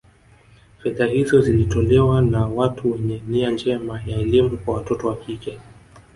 Fedha hizo zilitolewa na watu wenye nia njema ya elimu kwa watoto wa kike